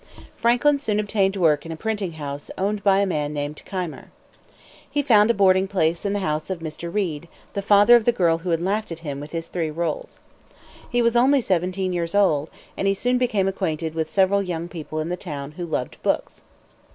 Franklin soon obtained work in a printing house owned by a man named Keimer. He found a boarding place in the house of Mr. Read, the father of the girl who had laughed at him with his three rolls. He was only seventeen years old, and he soon became acquainted with several young people in the town who loved books.